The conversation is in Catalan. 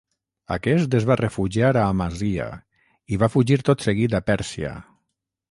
Aquest es va refugiar a Amasya i va fugir tot seguit a Pèrsia.